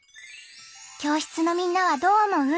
教室のみんなはどう思う？